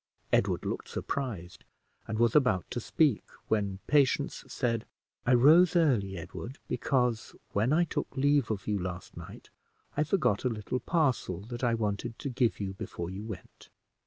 Edward looked surprised, and was about to speak, when Patience said "I rose early, Edward, because, when I took leave of you last night, I forgot a little parcel that I wanted to give you before you went.